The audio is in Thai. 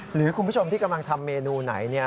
หรือคุณผู้ชมที่กำลังทำเมนูไหน